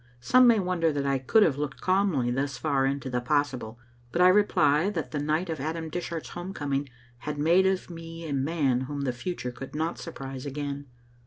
Some may wonder that I could have looked calmly thus far into the possi ble, but I reply that the night of Adam Dishart's home coming had made of me a man whom the future could not surprise again.